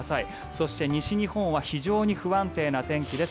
そして、西日本は非常に不安定な天気です。